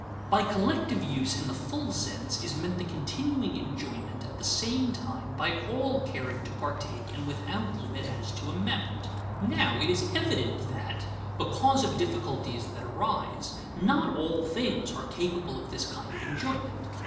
_ By collective use in the full sense is meant the continuing enjoyment at the same time by all caring to partake and without limit as to amount. [Sidenote: Distribution by collective enjoyment] Now it is evident that, because of difficulties that arise, not all things are capable of this kind of enjoyment.